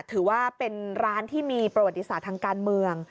ถือว่าเป็นร้านที่มีประวัติศาสตร์ทางการเมือง